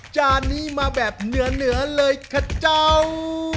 จานนี้มาแบบเหนือเลยค่ะเจ้า